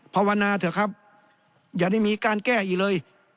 ภาวนาเถอะครับอย่าได้มีการแก้อีกเลย